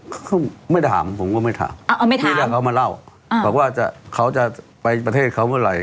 ก็ไม่ถามผมก็ไม่ถามอ้าวไม่ถามไม่ได้เขามาเล่าอ่าบอกว่าจะเขาจะไปประเทศเขาเมื่อไหร่